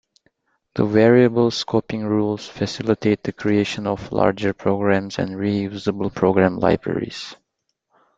The variable scoping rules facilitate the creation of larger programs and re-usable program libraries.